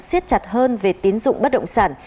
siết chặt hơn về tín dụng bất động sản